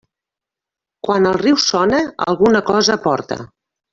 Quan el riu sona, alguna cosa porta.